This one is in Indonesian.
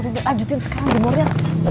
udah ngelajutin sekarang jemur ya